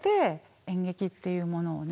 演劇っていうものをね